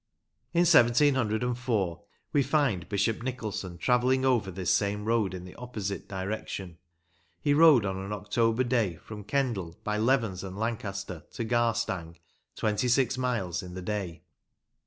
In 1704 we find Bishop Nicolson travelling over this same road in the opposite direction. He rode on an October day from Kendal by Levens and Lancaster to Garstang, twenty six miles in the day.